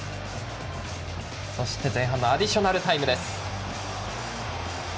そして前半アディショナルタイム。